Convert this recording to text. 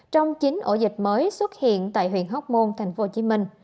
trong chín ổ dịch mới xuất hiện tại huyện hóc môn tp hcm